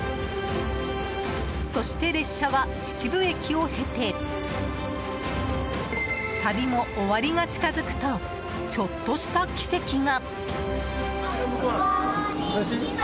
そして、列車は秩父駅を経て旅も終わりが近づくとちょっとした奇跡が。